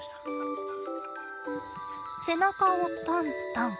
背中をトントン。